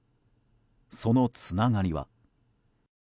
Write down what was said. そのつながりは。